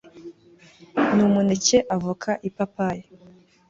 Nu muneke avoka ipapayi…